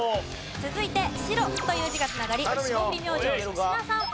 続いて「白」という字が繋がり霜降り明星粗品さん。